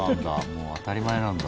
もう当たり前なんだ。